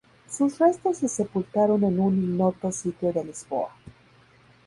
Sus restos se sepultaron en un ignoto sitio de Lisboa.